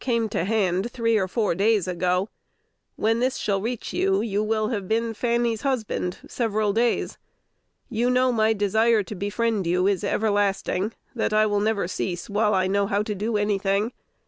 came to hand three or four days ago. When this shall reach you, you will have been Fanny's husband several days. You know my desire to befriend you is everlasting; that I will never cease while I know how to do any thing.